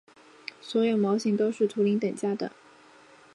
所有模型都是图灵等价的。